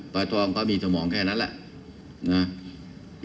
ป้าทองก็มีสมองแค่นั้นแล้ว